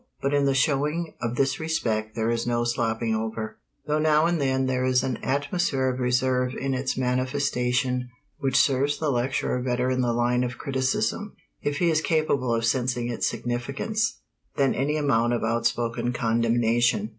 But in the showing of this respect there is no slopping over, though now and then there is an atmosphere of reserve in its manifestation which serves the lecturer better in the line of criticism, if he is capable of sensing its significance, than any amount of outspoken condemnation.